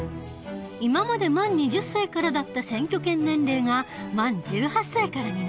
今まで満２０歳からだった選挙権年齢が満１８歳からになった。